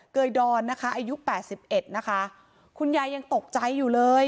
เกยดอนนะคะอายุแปดสิบเอ็ดนะคะคุณยายยังตกใจอยู่เลย